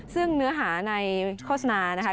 ซึ่งเนื้อหาในโฆษณานะคะ